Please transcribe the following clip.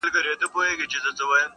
شمعي ته څه مه وایه! -